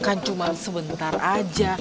kan cuma sebentar aja